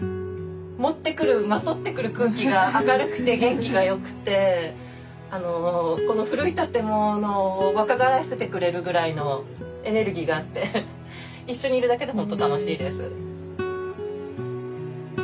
持ってくるまとってくる空気が明るくて元気がよくてこの古い建物を若返らせてくれるぐらいのエネルギーがあって一緒にいるだけでほんと楽しいです。